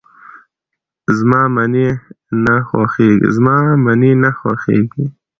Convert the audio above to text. زما منی نه خوښيږي.